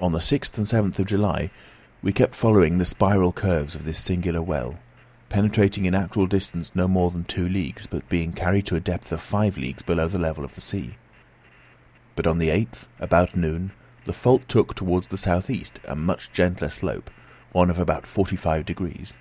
On the 6th and 7th of July we kept following the spiral curves of this singular well, penetrating in actual distance no more than two leagues; but being carried to a depth of five leagues below the level of the sea. But on the 8th, about noon, the fault took, towards the south east, a much gentler slope, one of about forty five degrees.